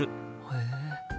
へえ。